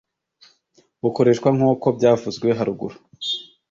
bukoreshwa nk uko byavuzwe haruguru